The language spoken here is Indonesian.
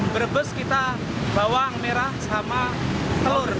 brebes kita bawang merah sama telur